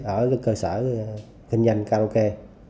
ở cơ sở kinh doanh karaoke